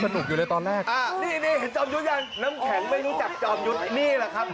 สวัสดีค่ะ